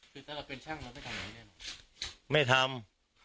ก็จะเป็นช่างแล้วฮะนายไม่ทำ